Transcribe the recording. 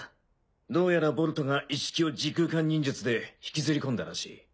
どうやらボルトがイッシキを時空間忍術で引きずり込んだらしい。